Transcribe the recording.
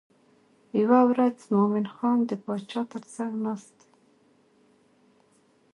یوه ورځ مومن خان د باچا تر څنګ ناست دی.